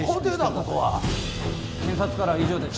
ここは検察からは以上です